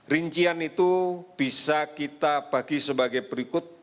rincian itu bisa kita bagi sebagai berikut